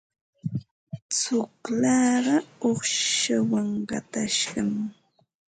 Tsullaaqa uuqshawan qatashqam.